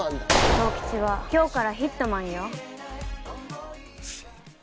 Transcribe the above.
十吉は今日からヒットマンよ。